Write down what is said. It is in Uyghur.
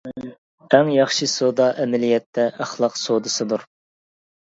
ئەڭ ياخشى سودا ئەمەلىيەتتە ئەخلاق سودىسىدۇر.